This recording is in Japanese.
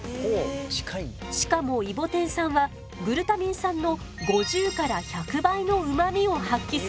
しかもイボテン酸はグルタミン酸の５０から１００倍のうまみを発揮するの。